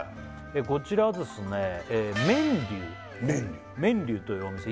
こちらはですね麺龍というお店